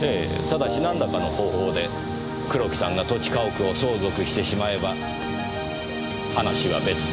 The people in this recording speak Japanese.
ただしなんらかの方法で黒木さんが土地家屋を相続してしまえば話は別です。